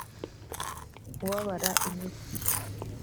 kubabara imitsi